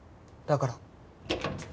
だから。